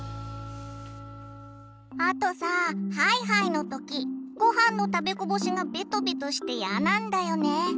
あとさハイハイの時ごはんの食べこぼしがベトベトしてやなんだよね。